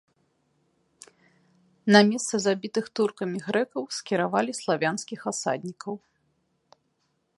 На месца забітых туркамі грэкаў скіравалі славянскіх асаднікаў.